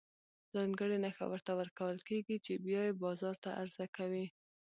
ځانګړې نښه ورته ورکول کېږي چې بیا یې بازار ته عرضه کوي.